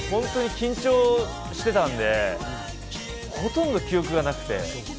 緊張してたのでほとんど記憶がなくて。